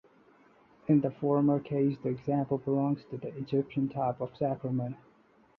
In the former case the example belongs to the Egyptian type of sacrament.